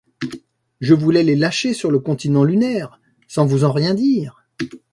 Je voulais les lâcher sur le continent lunaire, sans vous en rien dire!